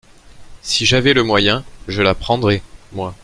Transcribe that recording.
Si j’avais le moyen, je la prendrais, moi !